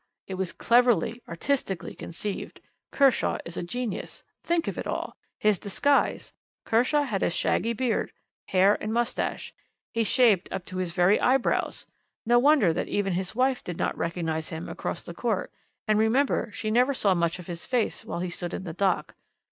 it was cleverly, artistically conceived! Kershaw is a genius. Think of it all! His disguise! Kershaw had a shaggy beard, hair, and moustache. He shaved up to his very eyebrows! No wonder that even his wife did not recognize him across the court; and remember she never saw much of his face while he stood in the dock.